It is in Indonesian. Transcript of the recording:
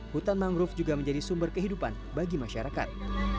hutan mangrove juga menjadi sumber kehidupan bagi masyarakat